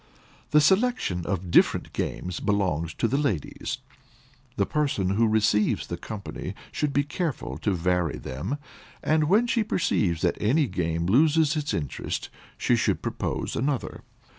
The selection of different games belongs to the ladies. The person who receives the company, should be careful to vary them; and when she perceives that any game loses its interest, she should propose another.